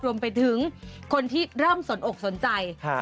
รวมไปถึงคนที่เริ่มสนอกสนใจ